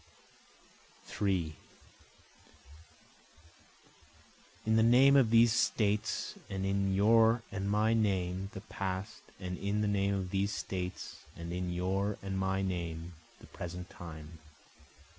3 In the name of these States and in your and my name, the Past, And in the name of these States and in your and my name, the Present time.